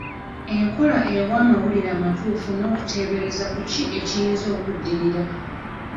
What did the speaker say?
Enkola ewa amawulire amatuufu n'okuteebereza ku ki ekiyinza okuddirira.